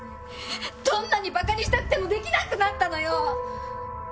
どんなにバカにしたくてもできなくなったのよ！